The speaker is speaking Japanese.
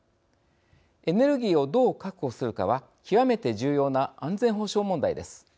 エネルギーをどう確保するかは極めて重要な安全保障問題です。